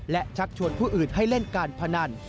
และชักชวนผู้อื่นให้เล่นการพนัน